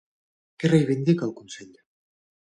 Què reivindica el Consell?